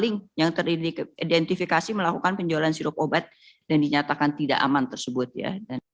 seribu sembilan ratus dua puluh dua link yang terdiri identifikasi melakukan penjualan sirup obat dan dinyatakan tidak aman tersebut ya